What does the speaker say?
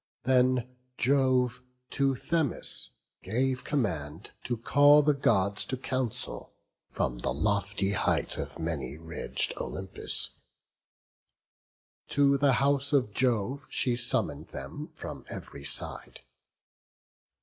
Then Jove to Themis gave command to call The Gods to council from the lofty height Of many ridg'd Olympus; to the house Of Jove she summon'd them from ev'ry side.